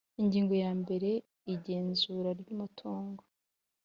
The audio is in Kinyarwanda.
Ingingo ya mbere Igenzura ry Umutungo